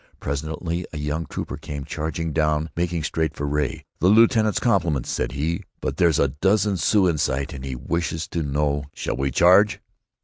Presently a young trooper came charging down, making straight for Ray. "The lieutenant's compliments," said he, "but there's a dozen Sioux in sight, and he wishes to know shall he charge."